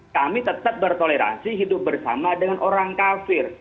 kami tetap bertoleransi hidup bersama dengan orang kafir